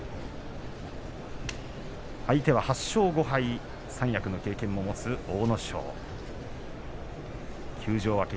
相手は８勝５敗三役経験を持つ阿武咲休場明け